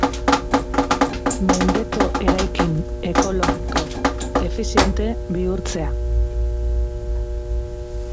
Mendeko eraikin ekologiko-efiziente bihurtzea.